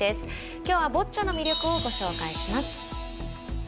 きょうはボッチャの魅力をご紹介します。